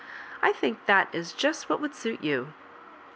I think that is just what would suit you."